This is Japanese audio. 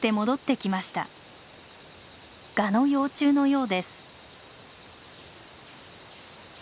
ガの幼虫のようです。